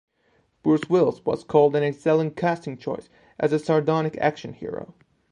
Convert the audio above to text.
Bruce Willis was called an excellent casting choice as a sardonic action hero.